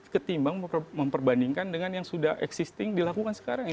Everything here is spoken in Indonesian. ketimbang memperbandingkan dengan yang sudah existing dilakukan sekarang